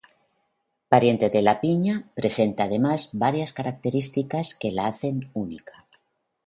Pariente de la piña, presenta además varias características que la hacen única.